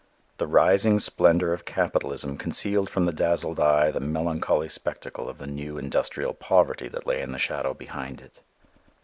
The rising splendor of capitalism concealed from the dazzled eye the melancholy spectacle of the new industrial poverty that lay in the shadow behind it.